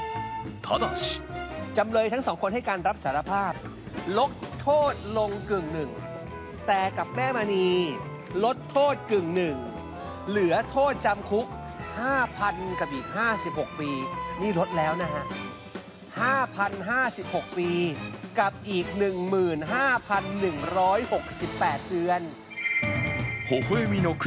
ただしほほ笑みの国